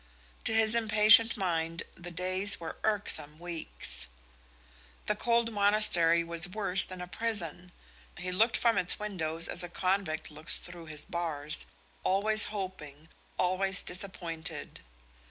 To his impatient mind the days were irksome weeks. The cold monastery was worse than a prison. He looked from its windows as a convict looks through his bars, always hoping, always disappointed.